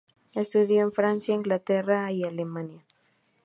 Estudió en Francia, Inglaterra, Alemania.